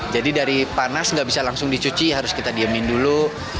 jadi dari panas nggak bisa langsung dicuci harus kita diamin dulu